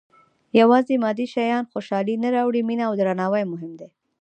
• یوازې مادي شیان خوشالي نه راوړي، مینه او درناوی مهم دي.